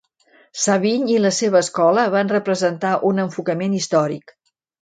Savigny i la seva escola van representar un enfocament històric.